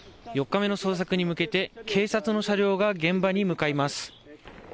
４日目の捜索に向けて警察の車両が現場に向かいます。